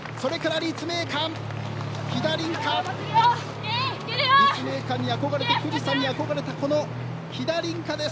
立命館に憧れて富士山に憧れた飛田凛香です。